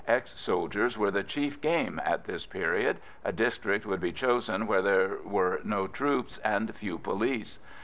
Ex soldiers were the chief game at this period. A district would be chosen where there were no troops and few police.